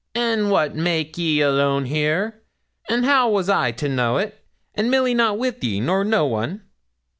'And what make ye alone here? and how was I to know't, an' Milly not wi' ye, nor no one?